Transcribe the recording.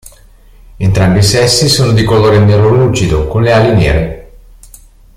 Entrambi i sessi sono di colore nero lucido con le ali nere.